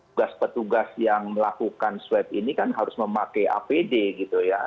tugas petugas yang melakukan swab ini kan harus memakai apd gitu ya